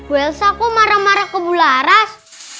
welsa kok marah marah ke bu laras